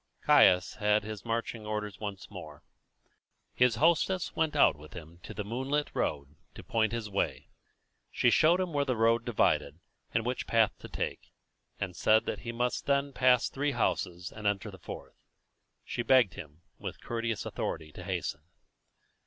Caius had his marching orders once more. His hostess went out with him to the moonlit road to point his way. She showed him where the road divided, and which path to take, and said that he must then pass three houses and enter the fourth. She begged him, with courteous authority, to hasten.